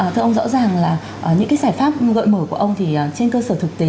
thưa ông rõ ràng là những cái giải pháp gợi mở của ông thì trên cơ sở thực tế